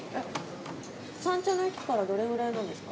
三茶の駅からどれぐらいなんですか？